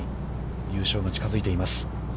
優勝が近づいています。